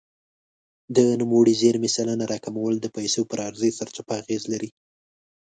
د نوموړې زیرمې سلنه راکمول د پیسو پر عرضې سرچپه اغېز لري.